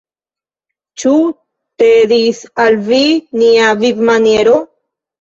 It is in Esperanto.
Ĉu tedis al vi nia vivmaniero?